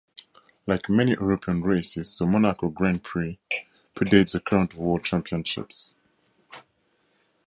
Like many European races, the Monaco Grand Prix predates the current World Championship.